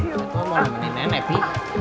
aku mau nemenin nenek pi